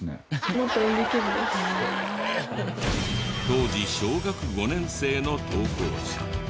当時小学５年生の投稿者。